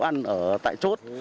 ăn ở tại chốt